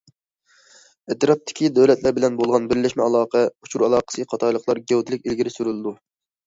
ئەتراپتىكى دۆلەتلەر بىلەن بولغان بىرلەشمە ئالاقە، ئۇچۇر ئالاقىسى قاتارلىقلار گەۋدىلىك ئىلگىرى سۈرۈلىدۇ.